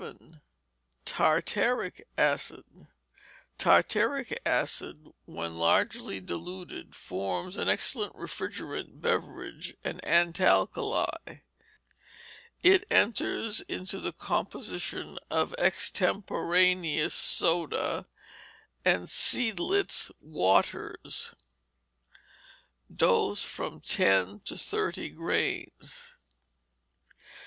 Tartaric Acid Tartaric Acid, when largely diluted, forms an excellent refrigerant beverage and antalkali. It enters into the composition of extemporaneous soda and Seidlitz waters. Dose, from ten to thirty grains.